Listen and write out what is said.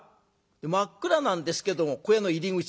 真っ暗なんですけども小屋の入り口